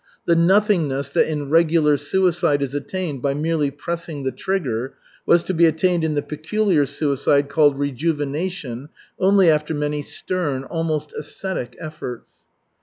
The "nothingness" that in regular suicide is attained by merely pressing the trigger, was to be attained in the peculiar suicide called rejuvenation only after many stern almost ascetic efforts.